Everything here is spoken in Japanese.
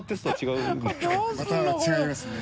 また違いますね。